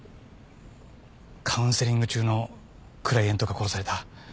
カウンセリング中のクライエントが殺された。